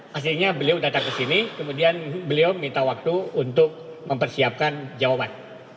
pastinya beliau datang ke sini kemudian beliau minta waktu untuk mempersiapkan jawaban